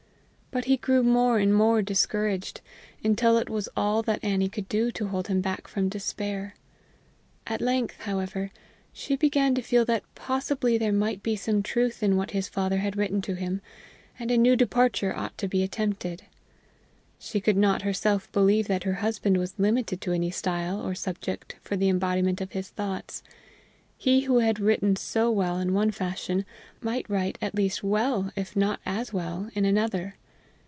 But he grew more and more discouraged, until it was all that Annie could do to hold him back from despair. At length, however, she began to feel that possibly there might be some truth in what his father had written to him, and a new departure ought to be attempted. She could not herself believe that her husband was limited to any style or subject for the embodiment of his thoughts; he who had written so well in one fashion might write at least well, if not as well, in another!